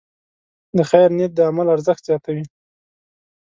د خیر نیت د عمل ارزښت زیاتوي.